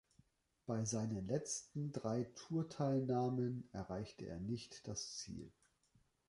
Bei seinen letzten drei Tour-Teilnahmen erreichte er nicht das Ziel.